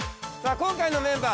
今回のメンバー。